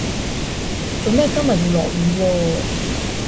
做咩今日要落雨喎